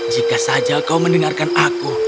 jika saja kau mendengarkan aku